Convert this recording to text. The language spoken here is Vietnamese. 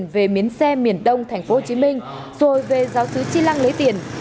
về giáo sứ chi lăng lấy tiền